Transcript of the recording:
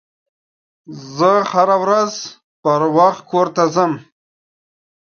زه هره ورځ پروخت کور ته ځم